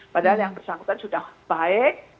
padahal yang bersangkutan sudah baik